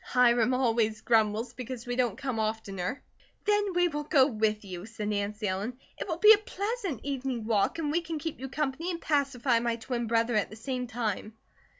Hiram always grumbles because we don't come oftener." "Then we will go with you," said Nancy Ellen. "It will be a pleasant evening walk, and we can keep you company and pacify my twin brother at the same time."